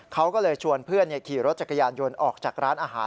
เขาก็เลยชวนเพื่อนขี่รถจักรยานยนต์ออกจากร้านอาหาร